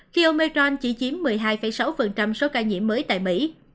khi omicron chỉ chiếm một mươi hai sáu số ca nhiễm mới tại mỹ